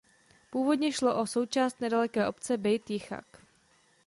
Původně šlo o součást nedaleké obce Bejt Jicchak.